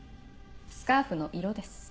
スカーフの色です。